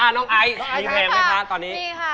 น้องไอมีแฟมไหมคะตอนนี้มีค่ะมีค่ะ